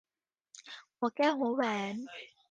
หัวแก้วหัวแหวน